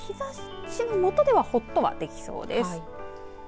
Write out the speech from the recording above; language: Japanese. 日ざしの下ではほっとできそうです。